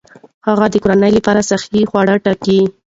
هغه د کورنۍ لپاره صحي خواړه ټاکي.